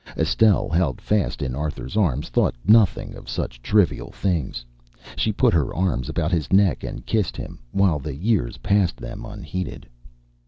Estelle, held fast in Arthur's arms, thought nothing of such trivial things. She put her arms about his neck and kissed him, while the years passed them unheeded.